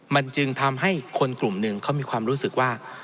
มันจึงทำให้คนกลุ่มหนึ่งเขามีความรู้สึกว่า